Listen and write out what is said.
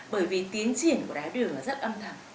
bởi vì tiến triển của đáy đường là rất âm thầm